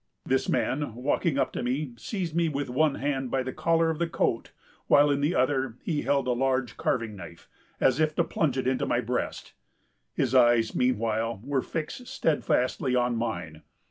This man, walking up to me, seized me, with one hand, by the collar of the coat, while in the other he held a large carving knife, as if to plunge it into my breast; his eyes, meanwhile, were fixed steadfastly on mine.